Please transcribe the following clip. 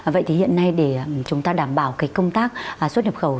vậy thì hiện nay để chúng ta đảm bảo cái công tác xuất nhập khẩu